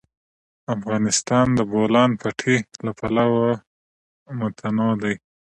افغانستان د د بولان پټي له پلوه متنوع دی.